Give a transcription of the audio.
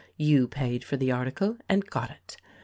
You paid for the article and got it.